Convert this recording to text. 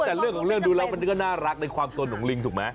แต่เรื่องของเรื่องดูแล้วมันก็น่ารักในความสนของลิงถูกไหม